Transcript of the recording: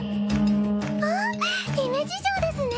あっ姫路城ですね。